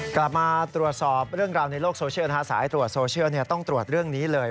กลับมาตรวจสอบเรื่องราวในโลกโซเชียลสายตรวจโซเชียลต้องตรวจเรื่องนี้เลย